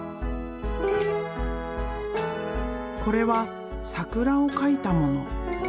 これは桜を描いたもの。